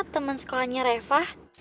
temen sekolahnya reva